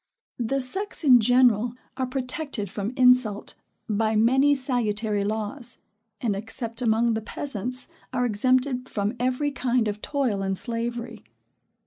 The sex, in general, are protected from insult, by many salutary laws; and, except among the peasants, are exempted from every kind of toil and slavery.